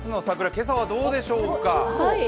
今朝はどうでしょうか。